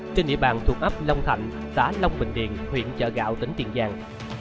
trên địa bàn thuộc ấp long thạnh xã long bình điền huyện chợ gạo tỉnh tiền giang